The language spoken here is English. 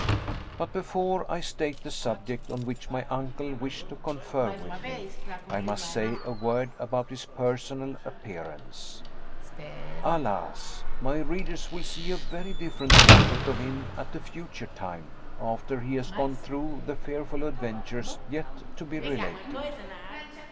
But before I state the subject on which my uncle wished to confer with me, I must say a word about his personal appearance. Alas! my readers will see a very different portrait of him at a future time, after he has gone through the fearful adventures yet to be related.